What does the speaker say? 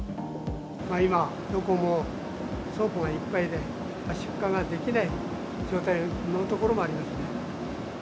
今、どこも倉庫がいっぱいで、出荷ができない状態のところもありますね。